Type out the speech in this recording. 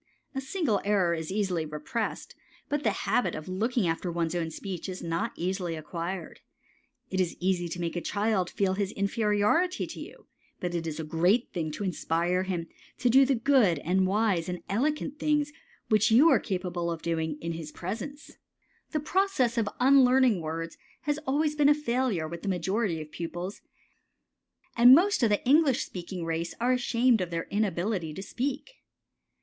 A single error is easily repressed, but the habit of looking after one's own speech is not easily acquired. It is easy to make a child feel his inferiority to you, but it is a great thing to inspire him to do the good and wise and elegant things which you are capable of doing in his presence. The process of unlearning words has always been a failure with the majority of pupils, and most of the English speaking race are ashamed of their inability to speak.